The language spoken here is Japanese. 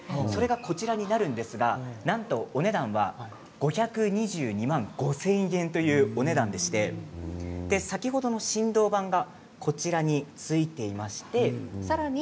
こちら、なんとお値段は５２２万５０００円というお値段でして先ほどの振動板がこちらについていましてさらに